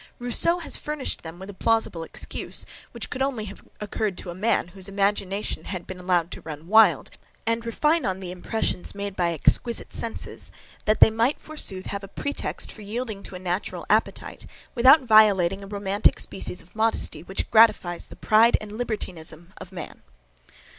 Rousseau has furnished them with a plausible excuse, which could only have occurred to a man, whose imagination had been allowed to run wild, and refine on the impressions made by exquisite senses, that they might, forsooth have a pretext for yielding to a natural appetite without violating a romantic species of modesty, which gratifies the pride and libertinism of man.